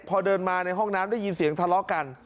พอเดินมาในห้องน้ำได้ยินเสียงทะเลาะกัน